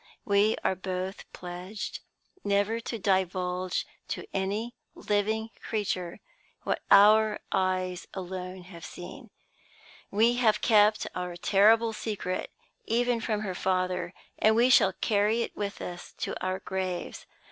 We are both pledged never to divulge to any living creature what our eyes alone have seen. We have kept our terrible secret even from her father; and we shall carry it with us to our graves.